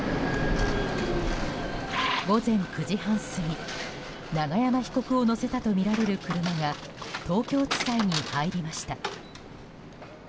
午前９時半過ぎ永山被告を乗せたとみられる車が東京地裁に入りました。